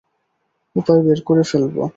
উপায় বের করে ফেলবো।